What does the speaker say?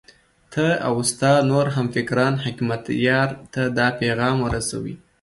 ته او ستا نور همفکران حکمتیار ته دا پیغام ورسوئ.